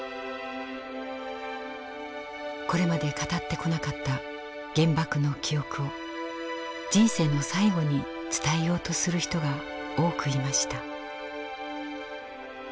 これまで語ってこなかった原爆の記憶を人生の最後に伝えようとする人が多くいました。